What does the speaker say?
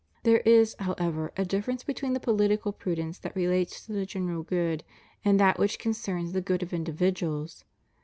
There is, however, a difference between the political prudence that relates to the general good and that which concerns the good of individuals.